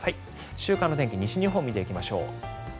週間天気、西日本から見ていきましょう。